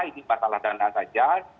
ini patahlah dana saja